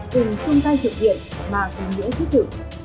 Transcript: cùng chung tay thực hiện và cùng giữ thích thử